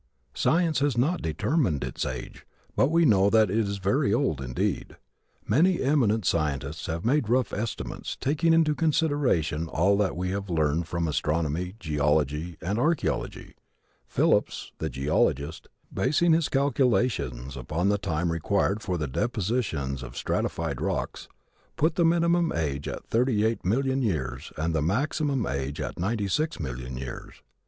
Science has not determined its age but we know that it is very old, indeed. Many eminent scientists have made rough estimates, taking into consideration all that we have learned from astronomy, geology and archeology. Phillips, the geologist, basing his calculations upon the time required for the depositions of the stratified rocks, put the minimum age at thirty eight million years and the maximum age at ninety six million years.